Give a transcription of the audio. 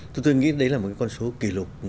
tôi nghĩ đấy là một con số kỷ lục